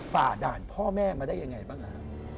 ฝ่าด่านพ่อแม่มาได้ยังไงบ้าง